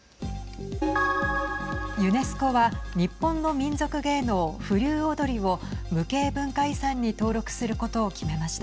ユネスコは日本の民俗芸能、風流踊を無形文化遺産に登録することを決めました。